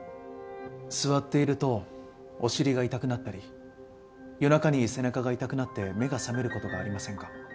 座っているとお尻が痛くなったり夜中に背中が痛くなって目が覚める事がありませんか？